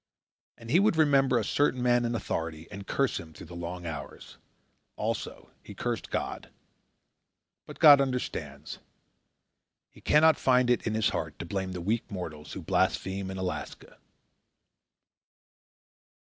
And he would remember a certain man in authority and curse him through the long hours. Also, he cursed God. But God understands. He cannot find it in his heart to blame weak mortals who blaspheme in Alaska.